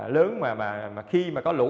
lớn mà khi mà có lũ